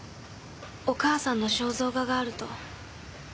お母さんの肖像画があると。